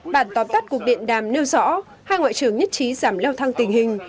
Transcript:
bản tóm tắt cuộc điện đàm nêu rõ hai ngoại trưởng nhất trí giảm leo thang tình hình